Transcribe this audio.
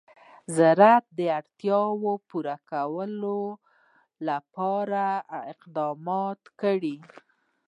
د زراعت د اړتیاوو پوره کولو لپاره اقدامات کېږي.